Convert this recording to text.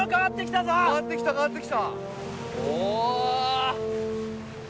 変わってきた変わってきた。